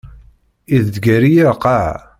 Iḍegger-iyi ar lqaɛa.